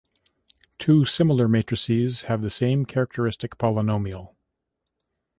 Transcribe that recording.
Two similar matrices have the same characteristic polynomial.